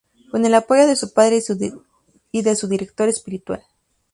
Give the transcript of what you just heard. Con el apoyo de su padre y de su director espiritual.